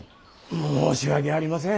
申し訳ありません。